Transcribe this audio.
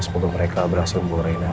semoga mereka berhasil membawa rena